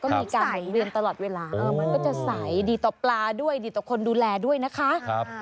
มันจะใสดีต่อปลาดีต่อคนดูแลด้วยนะคะ